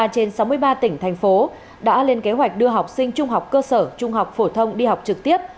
ba mươi trên sáu mươi ba tỉnh thành phố đã lên kế hoạch đưa học sinh trung học cơ sở trung học phổ thông đi học trực tiếp